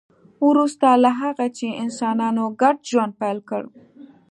وروسته له هغه چې انسانانو ګډ ژوند پیل کړ